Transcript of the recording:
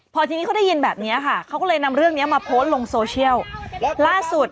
พอทีนี้เขาได้ยินแบบเนี้ยค่ะเขาก็เลยนำเรื่องนี้มาโพสต์ลงโซเชียลล่าสุด